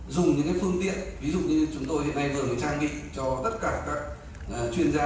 dùng những phương tiện ví dụ như chúng tôi hiện nay vừa trang bị cho tất cả các chuyên gia